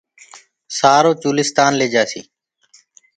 سآرو چولستآن ليجآسي